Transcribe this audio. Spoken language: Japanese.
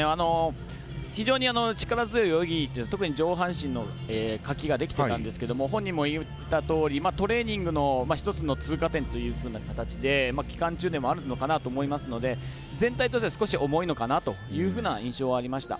非常に力強い泳ぎで特に上半身のかきができていたんですけど本人も言ったとおりトレーニングの一つの通過点という形で期間中でもあるのかなと思いますので全体としては重いのかなという印象はありました。